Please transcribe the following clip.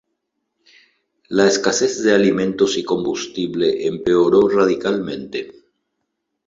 La escasez de alimentos y combustible empeoró radicalmente.